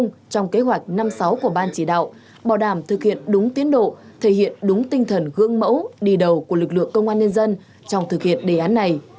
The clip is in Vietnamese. bộ trưởng tô lâm đề nghị các đồng chí thành viên ban chỉ đạo bảo đảm thực hiện đúng tiến độ thể hiện đúng tinh thần gương mẫu đi đầu của lực lượng công an nhân dân trong thực hiện đề án này